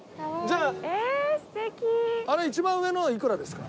あれ一番上のはいくらですか？